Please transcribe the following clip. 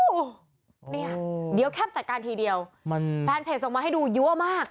โอ้โหเนี่ยเดี๋ยวแคปจัดการทีเดียวแฟนเพจส่งมาให้ดูเยอะมาก